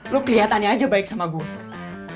lu kelihatannya aja baik sama gue